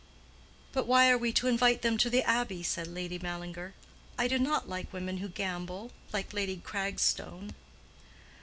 "But why are we to invite them to the Abbey?" said Lady Mallinger. "I do not like women who gamble, like Lady Cragstone."